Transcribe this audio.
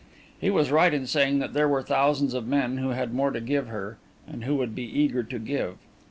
He was right in saying that there were thousands of men who had more to give her, and who would be eager to give.